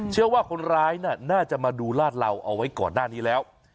เชื่อว่าคนร้ายน่าจะมาดูลาดเหลาเอาไว้ก่อนหน้านี้แล้ว